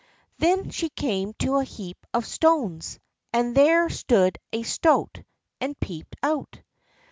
Then she came to a heap of stones, and there stood a stoat and peeped out.